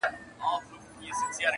جهاني به پر لکړه پر کوڅو د جانان ګرځي!!